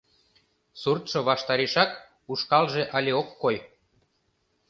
Суртшо ваштарешак, ушкалже але ок кой.